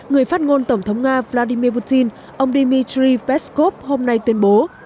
người phát ngôn tổng thống nga vladimir putin ông dmitry peskov hôm nay tuyên bố